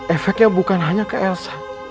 efeknya bukan hanya ke elsa